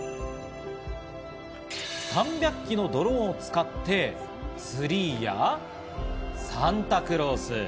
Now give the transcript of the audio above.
３００機のドローンを使ってツリーやサンタクロース。